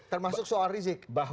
termasuk soal rizik